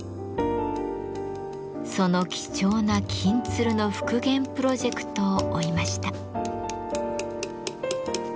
その貴重な「金鶴」の復元プロジェクトを追いました。